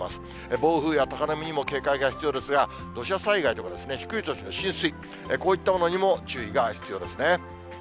暴風や高波にも警戒が必要ですが、土砂災害とか低い土地の浸水、こういったものにも注意が必要ですね。